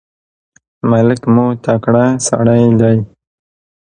ملک مو تکړه سړی دی.